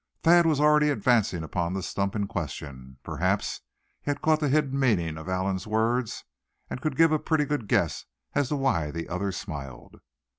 Thad was already advancing upon the stump in question. Perhaps he had caught the hidden meaning to Allan's words; and could give a pretty good guess as to why the other smiled.